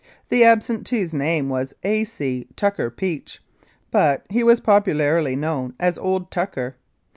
The absentee's name was A. C. Tucker Peach, but he was popularly known as "Old Tucker."